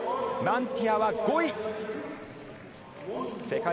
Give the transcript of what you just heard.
マンティアは５位です。